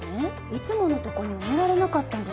いつものとこに埋められなかったんじゃないかな